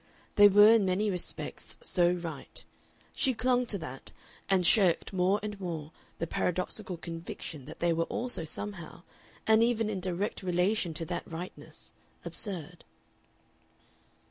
They were in many respects so right; she clung to that, and shirked more and more the paradoxical conviction that they were also somehow, and even in direct relation to that rightness, absurd.